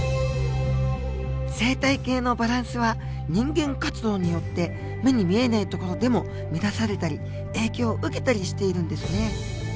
生態系のバランスは人間活動によって目に見えない所でも乱されたり影響を受けたりしているんですね。